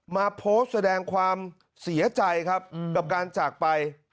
มาโพสต์แสดงความเสียใจครับกับการจากไป